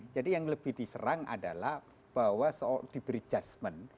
jadi yang lebih diserang adalah bahwa soal diberi adjustment